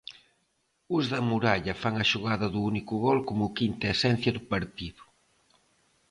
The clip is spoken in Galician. Os da Muralla fan a xogada do único gol como quinta esencia do partido.